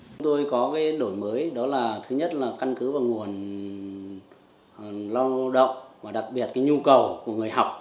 chúng tôi có cái đổi mới đó là thứ nhất là căn cứ vào nguồn lao động và đặc biệt cái nhu cầu của người học